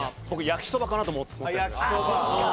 僕焼きそばかなと思ったけど。